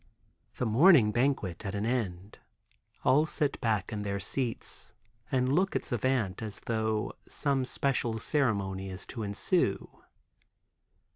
The morning banquet at an end, all sit back in their seats and look at Savant as though some special ceremony is to ensue.